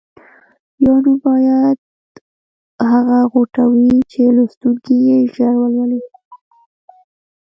یا نوم باید هغه غوټه وي چې لوستونکی یې ژر ولولي.